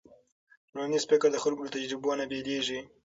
ټولنیز فکر د خلکو له تجربو نه بېلېږي.